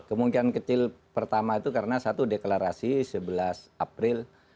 kemungkinan kecil pertama itu karena satu deklarasi sebelas april